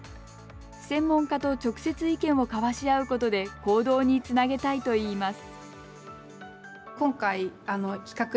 専門家と直接意見を交わし合うことで行動につなげたいといいます。